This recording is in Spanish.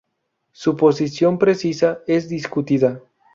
Su posición precisa es discutida.